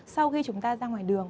sau khi chúng ta ra ngoài đường